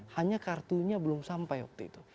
hanya kartunya belum sampai waktu itu